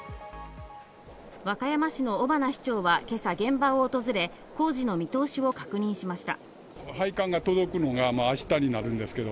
和歌山市の尾花市長は今朝、現場を訪れ工事の見通しを確認しました。